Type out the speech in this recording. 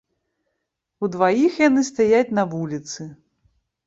Удваіх яны стаяць на вуліцы.